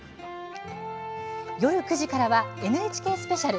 夜９時からはＮＨＫスペシャル